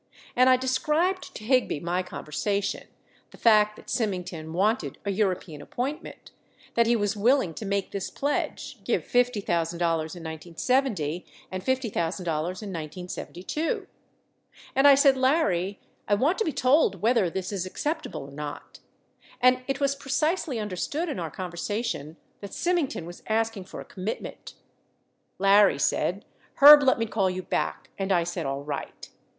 And I de scribed to Higby my conversation, the fact that Symington wanted a European appointment, that he was willing to make this pledge, give $50,000 in 1970 and $50,000 in 1972. And I said, Larry, I want to be told whether this is accept able or not. And it was precisely understood in our conversa tion that Symington was asking for a commitment. Larry said, Herb, let me call you back and I said, alright.